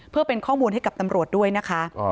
เพื่อเป็นข้อมูลให้กับตำรวจด้วยนะคะ